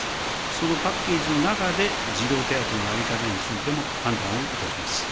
そのパッケージの中で、児童手当の在り方についても、判断をいたします。